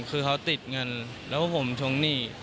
คือเขาติดเงินแล้วผมทวงหนี้